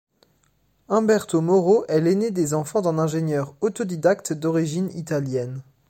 Humberto Mauro est l'aîné des enfants d'un ingénieur autodidacte d'origine italienne.